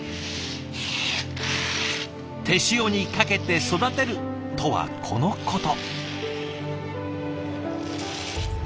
手塩にかけて育てるとはこのこと。